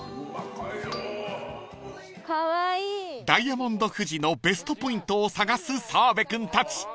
［ダイヤモンド富士のベストポイントを探す澤部君たち］